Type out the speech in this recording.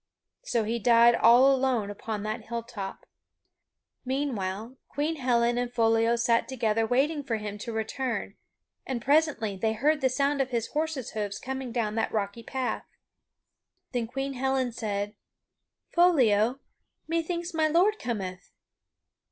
So he died all alone upon that hilltop. Meanwhile, Queen Helen and Foliot sat together waiting for him to return and presently they heard the sound of his horse's hoofs coming down that rocky path. Then Queen Helen said: "Foliot, methinks my lord cometh."